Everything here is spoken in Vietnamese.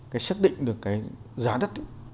cái xác định được cái giá đất